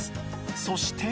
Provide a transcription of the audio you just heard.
そして